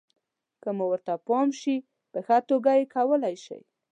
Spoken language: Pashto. که مو ورته پام شي، په ښه توګه یې کولای شئ.